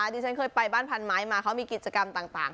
ดิฉันเคยไปบ้านพันไม้มาเขามีกิจกรรมต่าง